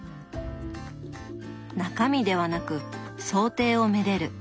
中身ではなく装丁を愛でる。